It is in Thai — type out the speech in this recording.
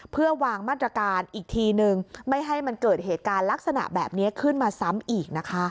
เพื่อวางมาตรการอีกทีนึงไม่ให้มันเกิดเหตุการณ์ลักษณะแบบนี้ขึ้นมาซ้ำอีกนะคะ